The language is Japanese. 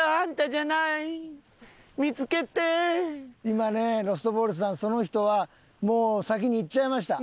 今ねロストボールさんその人はもう先に行っちゃいました。